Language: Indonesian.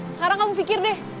sekarang kamu pikir deh